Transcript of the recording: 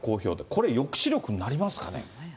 これ、抑止力になりますかね？